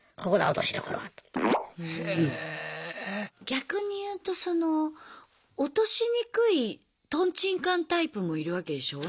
逆に言うとその落としにくいとんちんかんタイプもいるわけでしょう？